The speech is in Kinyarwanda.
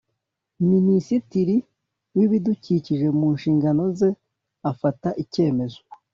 Minisitiri w Ibidukikije Mu Nshingano Ze Afata Icyemezo